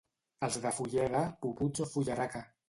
Els de Fulleda, puputs o fullaraca.